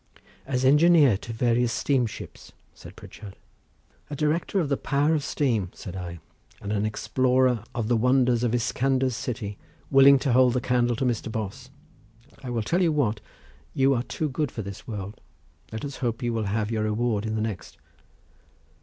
"As engineer to various steamships," said Pritchard. "A director of the power of steam," said I, "and an explorer of the wonders of Iscander's city willing to hold the candle to Mr. Bos. I will tell you what, you are too good for this world, let us hope you will have your reward in the next."